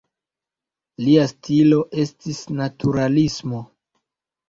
Lia stilo estis naturalismo.